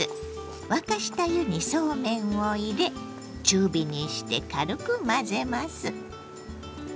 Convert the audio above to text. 沸かした湯にそうめんを入れ中火にして軽く混ぜます。